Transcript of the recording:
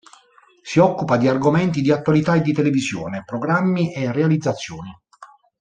Si occupa di argomenti di attualità e di televisione: programmi e realizzazioni.